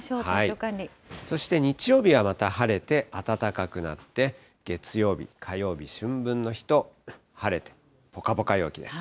そして日曜日はまた晴れて、暖かくなって、月曜日、火曜日、春分の日と晴れ、ぽかぽか陽気です。